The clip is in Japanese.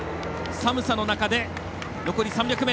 寒さの中で、残り３００ｍ。